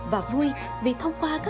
và vui vì thông qua các trò chơi